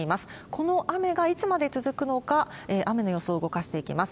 この雨がいつまで続くのか、雨の予想を動かしていきます。